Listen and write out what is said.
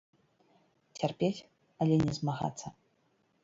Цярпець, але не змагацца.